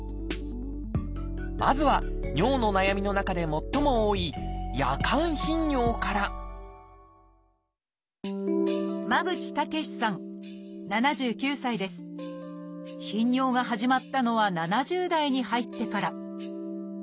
まずは尿の悩みの中で最も多い頻尿が始まったのは７０代に入ってから。